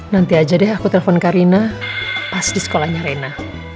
nanti aja deh aku telpon karina pas di sekolahnya rena